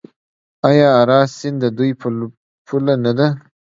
آیا اراس سیند د دوی پوله نه ده؟